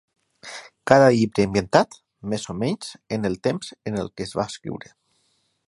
Cada llibre ambientat, més o menys, en el temps en el que es va escriure.